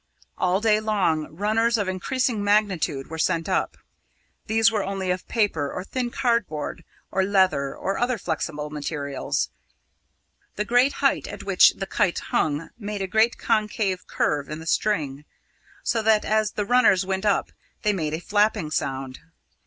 All day long, runners of increasing magnitude were sent up. These were only of paper or thin cardboard, or leather, or other flexible materials. The great height at which the kite hung made a great concave curve in the string, so that as the runners went up they made a flapping sound.